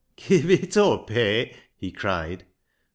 " Give it up, hay !" he cried.